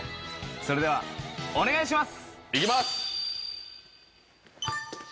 それではお願いします！